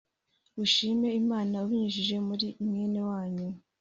ushime Imana ubinyujije muri mwene wanyu